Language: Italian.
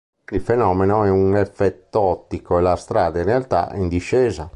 Il fenomeno è un effetto ottico e la strada in realtà è in discesa.